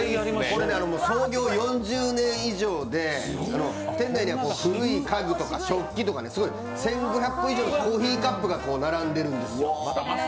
創業４０年以上で、店内には古い家具とか食器とか、すごい１５００個以上のコーヒーカップが並んでるんですよ。